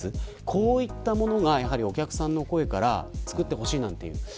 こういったものがお客さんの声から作ってほしいと。